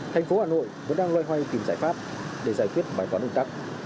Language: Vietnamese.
thành phố hà nội vẫn đang loay hoay tìm giải pháp để giải quyết bài toán ủn tắc